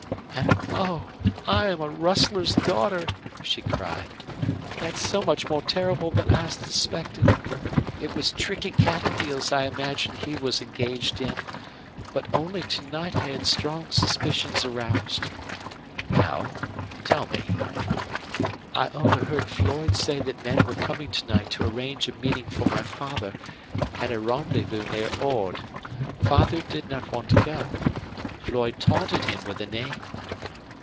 "And oh! I am a rustler's daughter," she cried. "That's so much more terrible than I'd suspected. It was tricky cattle deals I imagined he was engaged in. But only to night I had strong suspicions aroused." "How? Tell me." "I overheard Floyd say that men were coming to night to arrange a meeting for my father at a rendezvous near Ord. Father did not want to go. Floyd taunted him with a name."